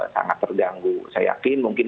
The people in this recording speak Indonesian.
sangat terganggu saya yakin mungkin